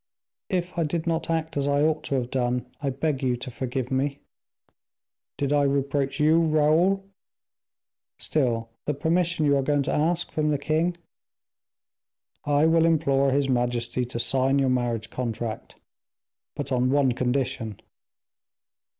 "If I did not act as I ought to have done, I beg you to forgive me." "Did I reproach you, Raoul?" "Still, the permission you are going to ask from the king?" "I will implore his majesty to sign your marriage contract, but on one condition."